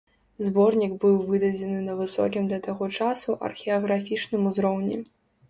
Зборнік быў выдадзены на высокім для таго часу археаграфічным узроўні.